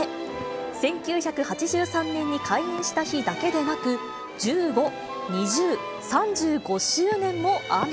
１９８３年に開園した日だけでなく、１５、２０、３５周年も雨。